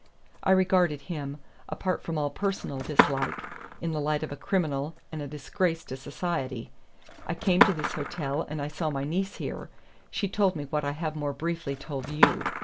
I regarded him, apart from all personal dislike, in the light of a criminal and a disgrace to society. I came to this hotel, and I saw my niece here. She told me what I have more briefly told you.